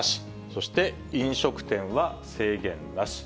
そして飲食店は制限なし。